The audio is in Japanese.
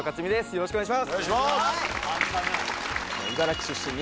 よろしくお願いします！